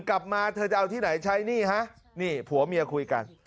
กลับมาเธอจะเอาที่ไหนใช้หนี้ฮะนี่ผัวเมียคุยกัน